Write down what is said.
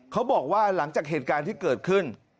เขาบอกว่าหลังจากเหตุการณ์ที่เกิดขึ้น